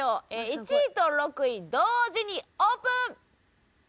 １位と６位同時にオープン！